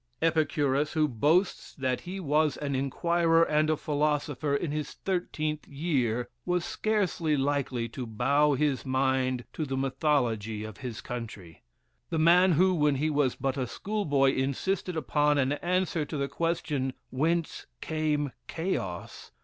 Epicurus, who boasts that he was an inquirer and a philosopher in his thirteenth year, was scarcely likely to bow his mind to the mythology of his country. The man who, when he was but a schoolboy, insisted upon an answer to the question, "Whence came chaos?"